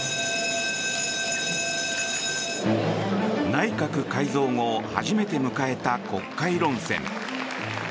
内閣改造後初めて迎えた国会論戦。